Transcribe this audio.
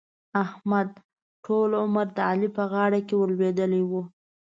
احمد؛ ټول عمر د علي په غاړه کې ور لوېدلی وو.